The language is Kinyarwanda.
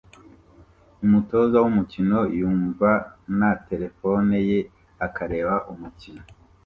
Umutoza wumukino yumva na terefone ye akareba umukino